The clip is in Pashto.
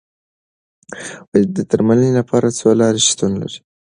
د درملنې لپاره څو لارې شتون لري.